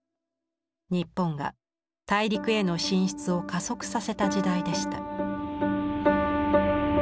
日本が大陸への進出を加速させた時代でした。